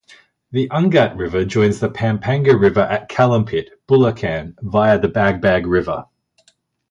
The Angat River joins the Pampanga River at Calumpit, Bulacan via the Bagbag River.